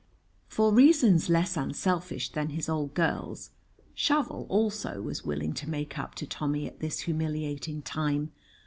For reasons less unselfish than his old girl's Shovel also was willing to make up to Tommy at this humiliating time.